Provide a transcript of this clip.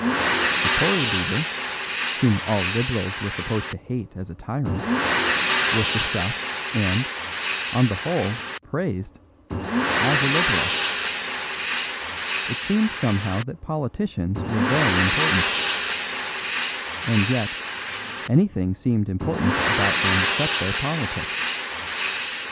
The Tory leader, whom all Liberals were supposed to hate as a tyrant, was discussed and, on the whole, praised as a Liberal. It seemed somehow that politicians were very important. And yet, anything seemed important about them except their politics.